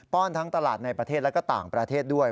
้อนทั้งตลาดในประเทศและก็ต่างประเทศด้วย